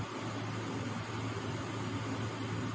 แล้วใช่เลย